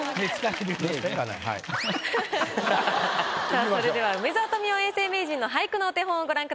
さあそれでは梅沢富美男永世名人の俳句のお手本をご覧ください。